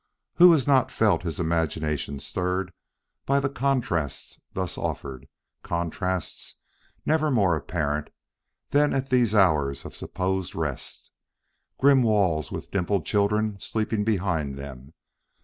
Who has not felt his imagination stirred by the contrasts thus offered contrasts never more apparent than at these hours of supposed rest? Grim walls, with dimpled children sleeping behind them!